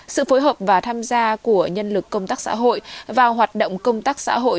sự phối hợp và tham gia của nhân lực công tác xã hội vào hoạt động công tác xã hội